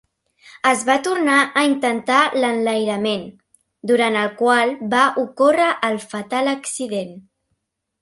Es va tornar a intentar l'enlairament, durant el qual va ocórrer el fatal accident.